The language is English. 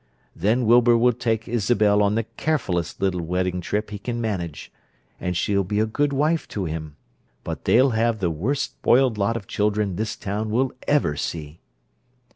Then Wilbur will take Isabel on the carefulest little wedding trip he can manage, and she'll be a good wife to him, but they'll have the worst spoiled lot of children this town will ever see."